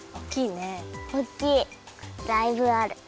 だいぶある。